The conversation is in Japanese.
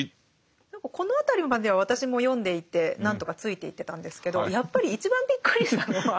何かこの辺りまでは私も読んでいて何とかついていってたんですけどやっぱり一番びっくりしたのは。